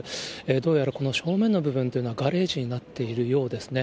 どうやらこの正面の部分というのはガレージになっているようですね。